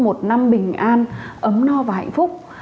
một năm bình an ấm no và hạnh phúc